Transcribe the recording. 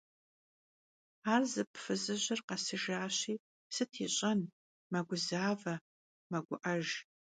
Ar zıp' fızıjır khesıjjaşi, sıt yiş'en, meguzave, megu'ejj.